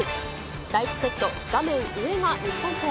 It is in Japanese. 第１セット、画面上が日本ペア。